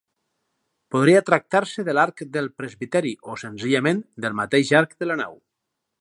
Podria tractar-se de l'arc del presbiteri o, senzillament, del mateix arc de la nau.